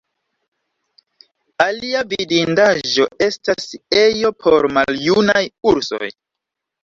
Alia vidindaĵo estas ejo por maljunaj ursoj.